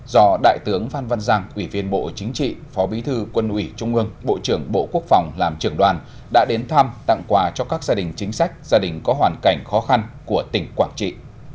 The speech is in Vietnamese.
do đại tướng phan văn giang ủy viên bộ chính trị phó bí thư quân ủy trung ương bộ trưởng bộ quốc phòng làm trưởng đoàn đã đến thăm tặng quà cho các gia đình chính sách gia đình có hoàn cảnh khó khăn của tỉnh quảng trị